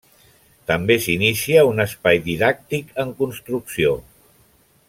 També s'inicia un espai didàctic en construcció.